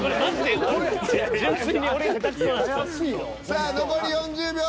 さあ残り４０秒。